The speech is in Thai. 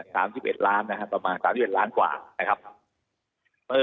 ๓๑ล้านนะครับประมาณ๓๑ล้านกว่า